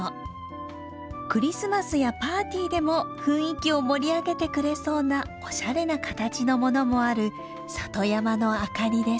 クリスマスやパーティーでも雰囲気を盛り上げてくれそうなおしゃれな形のものもある里山の明かりです。